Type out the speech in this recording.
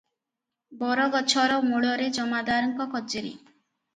ବରଗଛର ମୂଳରେ ଜମାଦାରଙ୍କ କଚେରୀ ।